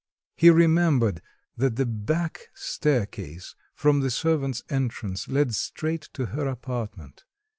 He remembered that the back staircase from the servants' entrance led straight to her apartment.